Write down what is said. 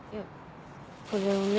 これをね